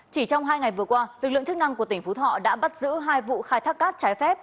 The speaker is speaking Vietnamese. chỉ trong hai ngày vừa qua lực lượng chức năng của tỉnh phú thọ đã bắt giữ hai vụ khai thác cát trái phép